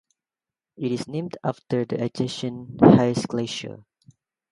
It is named after the adjacent Hayes Glacier.